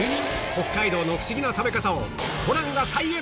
北海道のフシギな食べ方をホランが再現！